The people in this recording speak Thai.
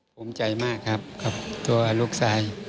ผมใจมากครับตัวลูกสาย